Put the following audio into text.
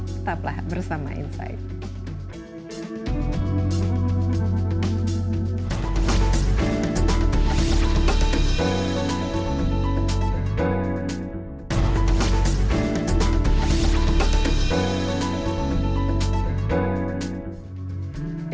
tetaplah bersama insight